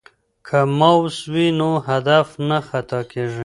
که ماوس وي نو هدف نه خطا کیږي.